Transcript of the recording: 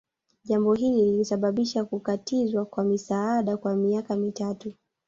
Jambo hili lilisababisha kukatizwa kwa misaada kwa miaka mitatu